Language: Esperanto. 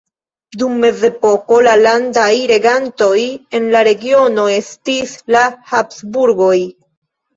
Dum mezepoko la landaj regantoj en la regiono estis la Habsburgoj.